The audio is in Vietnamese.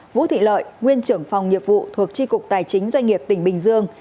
bốn vũ thị lợi nguyên trưởng phòng nhiệp vụ thuộc tri cục tài chính doanh nghiệp tỉnh bình dương